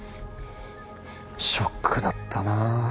ショックだったな。